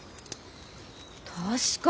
確かに！